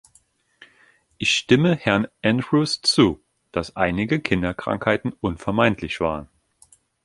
Ich stimme Herrn Andrews zu, dass einige Kinderkrankheiten unvermeidlich waren.